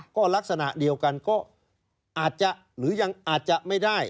ก็ลักษณะเดียวกันก็อาจจะหรือยังอาจจะไม่ได้